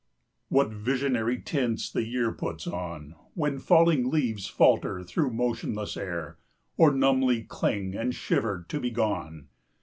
] What visionary tints the year puts on, When falling leaves falter through motionless air Or numbly cling and shiver to be gone!